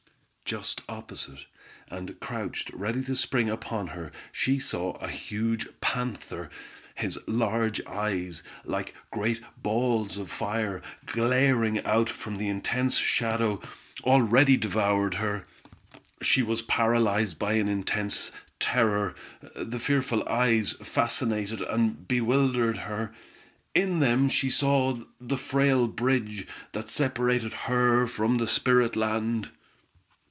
Just opposite, and crouched ready to spring upon her, she saw a huge panther, his large eyes, like great balls of fire, glaring out from the intense shadow, already devoured her. She was paralyzed by an intense terror. The fearful eyes fascinated and bewildered her. In them she saw the frail bridge, that separated her from the spirit land.